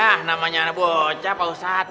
ah namanya anak bocah pak ustadz